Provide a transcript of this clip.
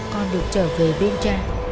con được trở về bên cha